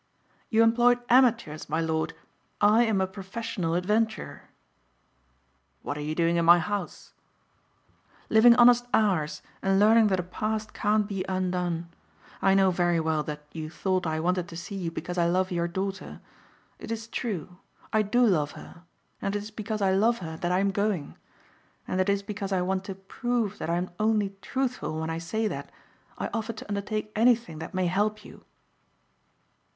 "You employed amateurs, my lord, I am a professional adventurer." "What are you doing in my house?" "Living honest hours and learning that a past can't be undone. I know very well that you thought I wanted to see you because I love your daughter. It is true. I do love her. And it is because I love her that I am going. And it is because I want to prove that I am only truthful when I say that, I offer to undertake anything that may help you."